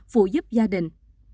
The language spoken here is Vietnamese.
phụ giúp gia đình